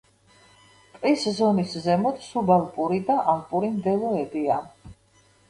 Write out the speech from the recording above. ტყის ზონის ზემოთ სუბალპური და ალპური მდელოებია.